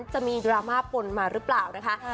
ดราม่าปนมาหรือเปล่านะคะ